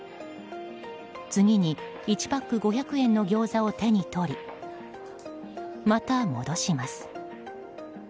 次に１パック５００円のギョーザを手に取りまた戻します。